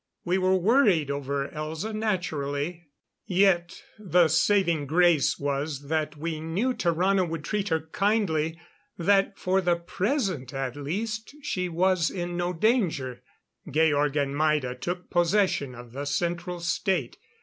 We were worried over Elza naturally. Yet the saving grace was that we knew Tarrano would treat her kindly; that for the present at least, she was in no danger. Georg and Maida took possession of the Central State.